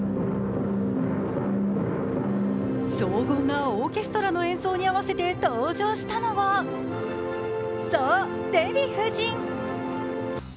荘厳なオーケストラの演奏に合わせて登場したのはそう、デヴィ夫人。